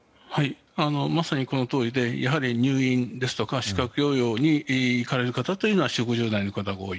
まさにこのとおりでやはり入院ですとか宿泊療養に行かれる方というのは４０５０代の方が多い。